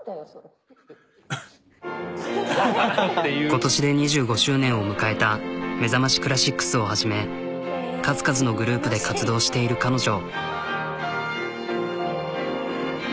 今年で２５周年を迎えた「めざましクラシックス」をはじめ数々のグループで活動している彼女。